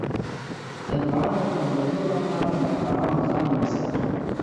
د دعا د قبلېدو لپاره له حرامو ځان وساته.